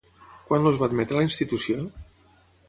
Quan els va admetre la institució?